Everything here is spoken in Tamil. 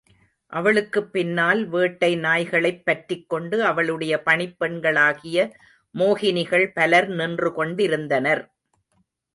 அவளுக்குப் பின்னால் வேட்டை நாய்களைப் பற்றிக்கொண்டு அவளுடைய பணிப் பெண்களாகிய மோகினிகள் பலர் நின்றுகொண்டிருந்தனர்.